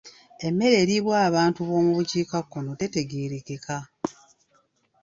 Emmere eriibwa abantu b'omu bukiikakkono tetegeerekeka.